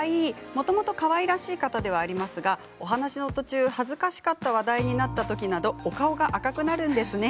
もともとかわいらしい方ではありますが、お話の途中恥ずかしかった話題になったときなどお顔が赤くなるんですね。